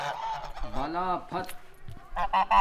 بلا فت